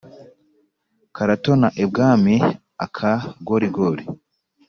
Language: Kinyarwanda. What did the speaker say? Karatona ibwami-Akagorigori.